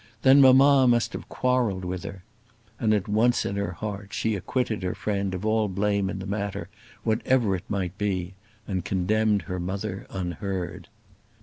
"Then mamma must have quarrelled with her." And at once in her heart she acquitted her friend of all blame in the matter, whatever it might be, and condemned her mother unheard.